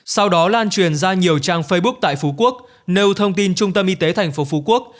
sau đó lan truyền ra nhiều trang facebook tại phú quốc nêu thông tin trung tâm y tế thành phố phú quốc